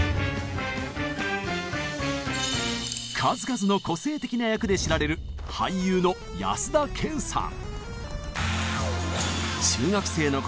数々の個性的な役で知られる俳優の安田顕さん。